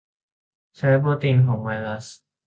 ใช้โปรตีนของไวรัส